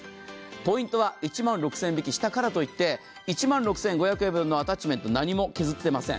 ポイントは１万６０００円引きしたからといって１万６５００円分のアタッチメントは何も削っていません。